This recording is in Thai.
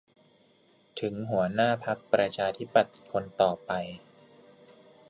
ถึง หัวหน้าพรรคประชาธิปัตย์คนต่อไป